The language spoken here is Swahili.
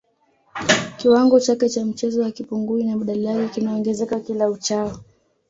Kiwango chake cha mchezo hakipungui na badala yake kinaongezeka kila uchao